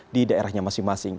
di daerahnya masing masing